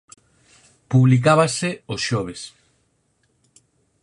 Publicábase os xoves.